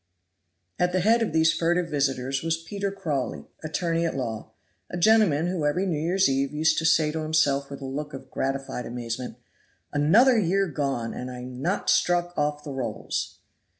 At the head of these furtive visitors was Peter Crawley, attorney at law, a gentleman who every New Year's Eve used to say to himself with a look of gratified amazement "Another year gone, and I not struck off the Rolls!!!"